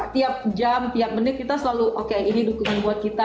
tiap jam tiap menit kita selalu oke ini dukungan buat kita